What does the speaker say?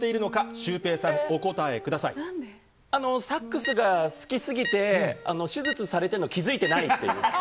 サックスが好きすぎて、手術されてるの気付いてないっていう。